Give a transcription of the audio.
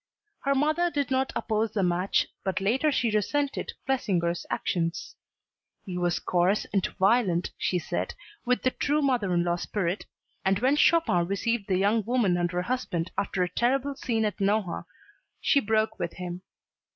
Her mother did not oppose the match, but later she resented Clesinger's actions. He was coarse and violent, she said, with the true mother in law spirit and when Chopin received the young woman and her husband after a terrible scene at Nohant, she broke with him.